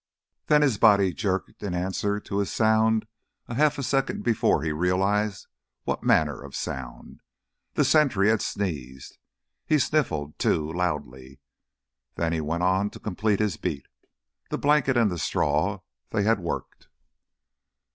Then his body jerked in answer to a sound a half second before he realized what manner of sound. The sentry had sneezed. He sniffled, too, loudly; then he went on to complete his beat. The blanket and the straw—they had worked!